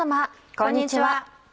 こんにちは。